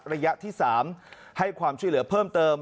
ระยะที่๓ให้ความช่วยเหลือเพิ่มเติม